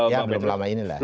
ya belum lama inilah